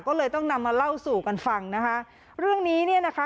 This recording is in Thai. ก็เลยต้องนำมาเล่าสู่กันฟังนะคะเรื่องนี้เนี่ยนะคะ